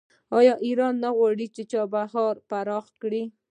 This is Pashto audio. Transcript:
آیا ایران نه غواړي چابهار پراخ کړي؟